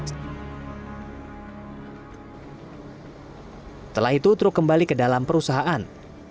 setelah itu truk kembali ke dalam perusahaan